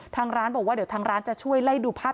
ทางร้านบอกว่าเดี๋ยวทางร้านจะช่วยไล่ดูภาพ